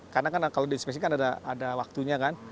karena kalau disinfeksi kan ada waktunya kan